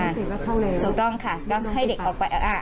เบสเศษก็เข้าเลยถูกต้องค่ะก็ให้เด็กออกไปอ่ะอ่ะ